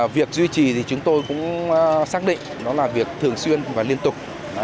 việc duy trì thì chúng tôi cũng xác định đó là việc thường xuyên và liên tục